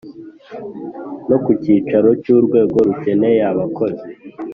no ku cyicaro cy’urwego rukeneye abakozi.